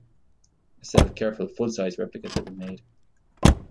A set of careful full-size replicas have been made.